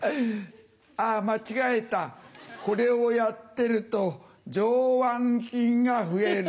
あ間違えたこれをやってると上腕筋が増える。